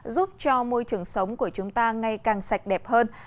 giúp cho môi trường sống của chúng ta ngày càng sạch đẹp hơn